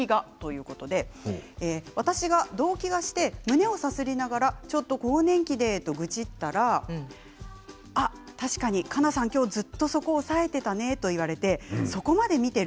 私がどうきがして胸をさすりながらちょっと更年期で、と愚痴ったらあ、確かにカナさん今日ずっとそこ押さえてたねと言われてそこまで見てる？